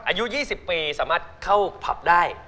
อายุ๒๐ปีสามารถเข้าผับได้